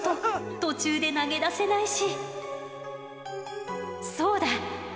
途中で投げ出せないし。